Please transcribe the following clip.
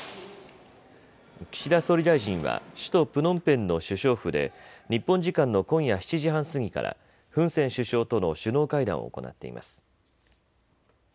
岸田総理大臣は首都プノンペンの首相府で日本時間の今夜７時半過ぎからフン・セン首相との首脳会談を行っています。